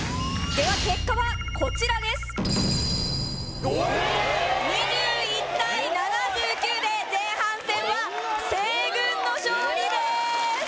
では結果はこちらですええ２１対７９で前半戦は西軍の勝利ですこんなに！？